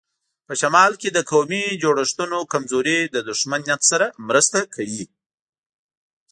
په شمال کې د قومي جوړښتونو کمزوري د دښمن نیت سره مرسته کوي.